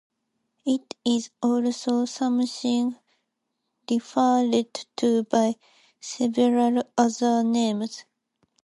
It is also sometimes referred to by several other names.